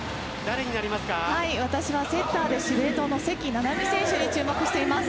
私はセッターで司令塔の関菜々巳選手に注目しています。